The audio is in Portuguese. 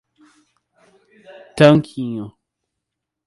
Tanquinho